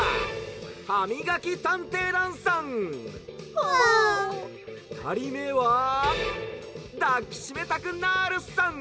「ふたりめは抱きしめたくなるさん」。